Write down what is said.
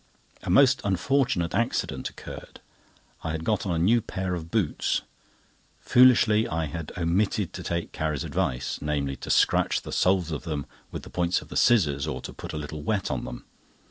A most unfortunate accident occurred. I had got on a new pair of boots. Foolishly, I had omitted to take Carrie's advice; namely, to scratch the soles of them with the points of the scissors or to put a little wet on them.